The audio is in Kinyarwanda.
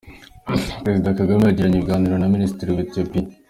Perezida Kagame yagiranye ibiganiro na minisitiri wa etiyopiya